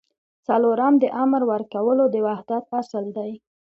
څلورم د امر ورکولو د وحدت اصل دی.